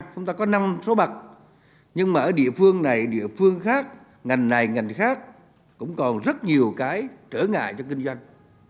chúng ta có năm số mặt nhưng mà ở địa phương này địa phương khác ngành này ngành khác cũng còn rất nhiều cái trở ngại cho kinh doanh